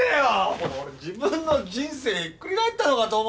もう俺自分の人生ひっくり返ったのかと思ったよ。